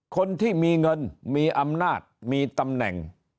คนที่มีเงินมีอำนาจมีตำแหน่ง